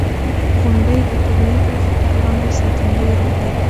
• غونډۍ د طبعي پېښو پر وړاندې ساتندوی رول لري.